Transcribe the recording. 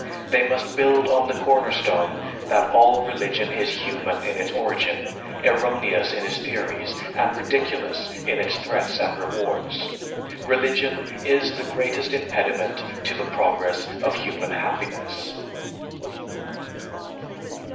They must build on the corner stone that all religion is human in its origin, erroneous in its theories, and ridiculous in its threats and rewards. Religion is the greatest impediment to the progress of human happiness.